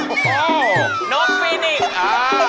โอ๊ะน๊อคฟีนิกซ์อ๋อโอ๊ะ